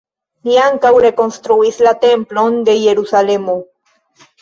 Li ankaŭ rekonstruis la Templon de Jerusalemo.